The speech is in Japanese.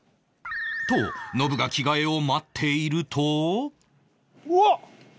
とノブが着替えを待っていると